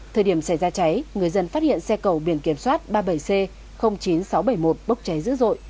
thời điểm xảy ra cháy người dân phát hiện xe cầu biển kiểm soát ba mươi bảy c chín nghìn sáu trăm bảy mươi một bốc cháy dữ dội